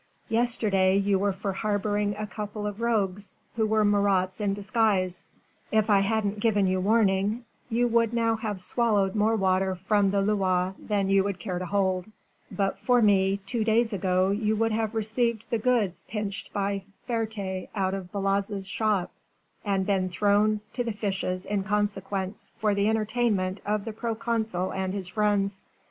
Yesterday you were for harbouring a couple of rogues who were Marats in disguise: if I hadn't given you warning, you would now have swallowed more water from the Loire than you would care to hold. But for me two days ago you would have received the goods pinched by Ferté out of Balaze's shop, and been thrown to the fishes in consequence for the entertainment of the proconsul and his friends.